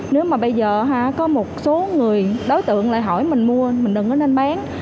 nếu mà bây giờ có một số người đối tượng lại hỏi mình mua mình đừng có nên bán